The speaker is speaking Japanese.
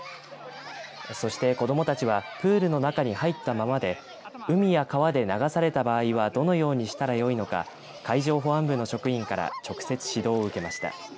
そして子どもたちはプールの中に入ったままで海や川で流された場合はどのようにしたらよいのか海上保安部の職員から直接指導を受けました。